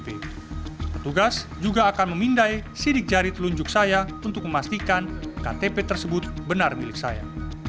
petugas juga akan memindai sidik jari telunjuk saya untuk memastikan ktp tersebut benar milik saya